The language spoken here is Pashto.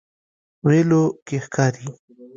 ویلو کې ښکاري.